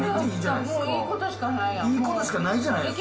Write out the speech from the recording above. いいことしかないじゃですか。